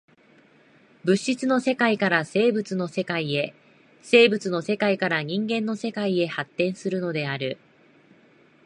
物質の世界から生物の世界へ、生物の世界から人間の世界へ発展するのである。